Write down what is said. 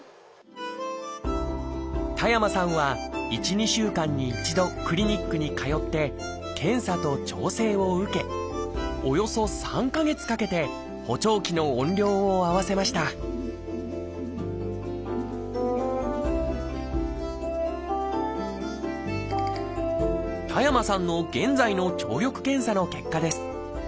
田山さんは１２週間に１度クリニックに通って検査と調整を受けおよそ３か月かけて補聴器の音量を合わせました田山さんの現在の聴力検査の結果です。